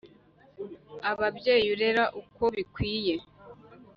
Ababyeyi urerera uko bikwiye